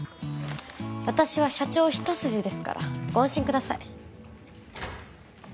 私は社長一筋ですからご安心ください